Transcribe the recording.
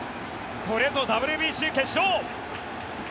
これぞＷＢＣ決勝。